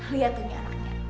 lihat tuh nyaranya